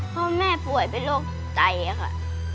เพราะแม่ป่วยเป็นโรคใจค่ะ